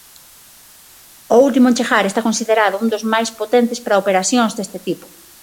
O último en chegar está considerado un dos máis potentes para operacións deste tipo.